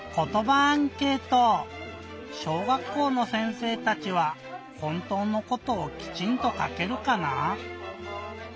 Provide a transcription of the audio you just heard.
小学校の先生たちはほんとうのことをきちんとかけるかなぁ？